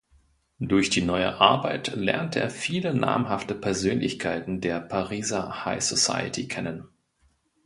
Durch die neue Arbeit lernt er viele namhafte Persönlichkeiten der Pariser High Society kennen.